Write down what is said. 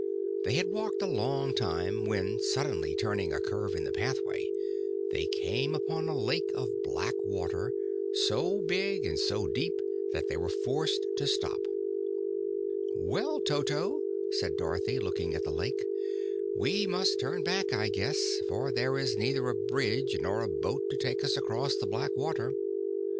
They had walked a long time when, suddenly turning a curve of the pathway, they came upon a lake of black water, so big and so deep that they were forced to stop. "Well, Toto," said Dorothy, looking at the lake, "we must turn back, I guess, for there is neither a bridge nor a boat to take us across the black water."